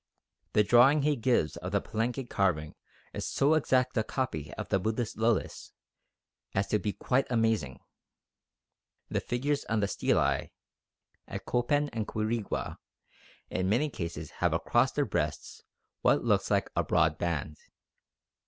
The drawing he gives of the Palenque carving is so exact a copy of the Buddhist lotus as to be quite amazing. The figures on the stelae at Copan and Quirigua, in many instances have across their breasts what looks like a broad band.